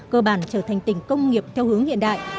cơ bản trở thành tỉnh công nghiệp theo hướng hiện đại